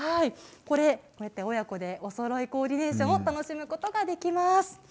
親子でおそろいコーディネーションを楽しむことができます。